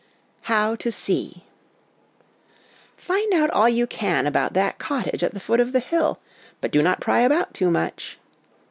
How to See. ' Find out all you can about that cottage at the foot of the hill ; but do not pry about too much.'